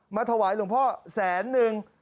มาถวายหลวงพ่อแสนนึง